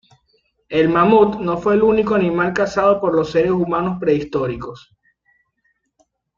El mamut no fue el único animal cazado por los seres humanos prehistóricos.